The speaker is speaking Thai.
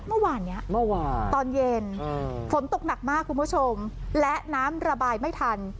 เมื่อวานตอนเย็นฝนตกหนักมากคุณผู้ชมและน้ำระบายไม่ทัน